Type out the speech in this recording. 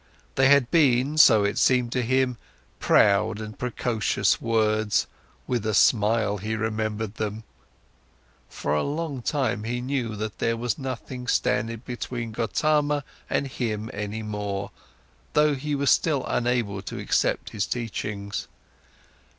They had been, so it seemed to him, proud and precocious words; with a smile, he remembered them. For a long time he knew that there was nothing standing between Gotama and him any more, though he was still unable to accept his teachings.